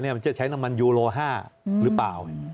มันจะใช้น้ำมันยูโล๕หรือเปล่า